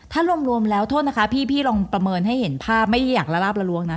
ถ้ารวมแล้วโทษนะคะพี่ลองประเมินให้เห็นภาพไม่ได้อย่างละลาบละล้วงนะ